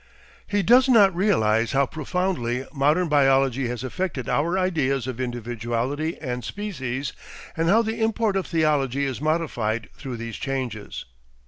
He does not realise how profoundly modern biology has affected our ideas of individuality and species, and how the import of theology is modified through these changes.